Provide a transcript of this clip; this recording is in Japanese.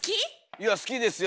いや好きですよ。